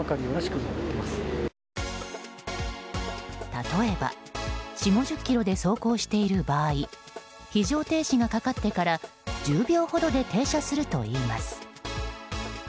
例えば、４０５０キロで走行している場合非常停止がかかってから１０秒ほどで停車するといいます。